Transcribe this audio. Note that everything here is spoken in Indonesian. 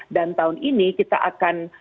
dan tahun ini kita akan